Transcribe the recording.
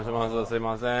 すいません。